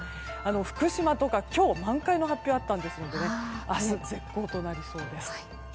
福島とか今日、満開の発表があったので明日、絶好となりそうです。